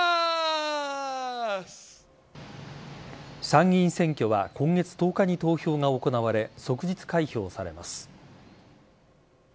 参議院選挙は今月１０日に投票が行われ即日開票されます。